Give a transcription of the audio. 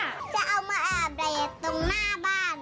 จะเอามาอาบระยัดตรงหน้าบ้านรอ